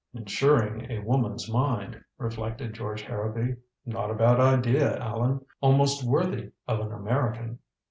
"Insuring a woman's mind," reflected George Harrowby. "Not a bad idea, Allan. Almost worthy of an American.